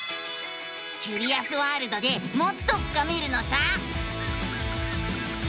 キュリアスワールドでもっと深めるのさ！